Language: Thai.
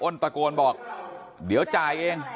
ตะโกนบอกเดี๋ยวจ่ายเอง